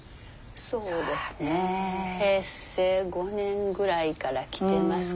そうですね平成５年ぐらいから来てますかね。